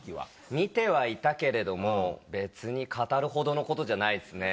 見てはいたけれども別に語るほどのことじゃないですね。